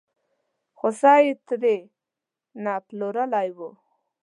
خوسی یې ترې نه پلورلی و.